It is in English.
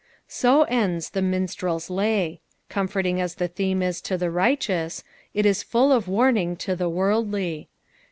So ends the minstrel's lay. Comforting as the tbeoio is to the ri^htooas, it is full of warning to the worldly.